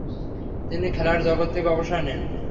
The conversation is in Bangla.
তিনি খেলার জগৎ থেকে অবসর নেন।